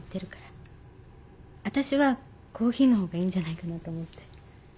わたしはコーヒーのほうがいいんじゃないかなと思って。